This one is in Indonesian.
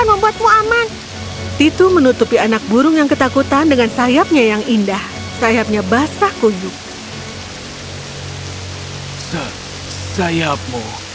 detik ini akan diatur karena kamu tidak memberikan apa apa apa kepadamu